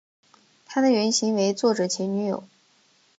她的原型为作者前女友。